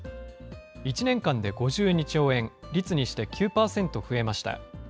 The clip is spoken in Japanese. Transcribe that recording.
１年間で５２兆円、率にして９％増えました。